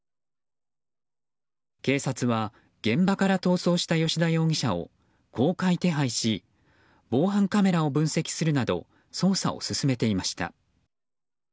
警察は現場から逃走した葭田容疑者を公開手配し防犯カメラを分析するなど捜査を進めていました。